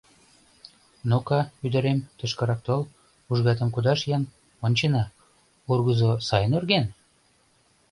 Ну-ка, ӱдырем, тышкырак тол, ужгатым кудаш-ян, ончена: ургызо сайын урген?